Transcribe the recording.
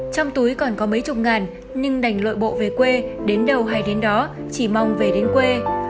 trong túi còn có mấy chục ngàn nhưng đành lội bộ về quê đến đâu hay đến đó chỉ mong về đến quê